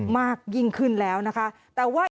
มากยิ่งขึ้นแล้วนะคะ